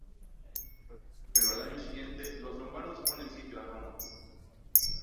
Pero al año siguiente, los lombardos ponen sitio a Roma.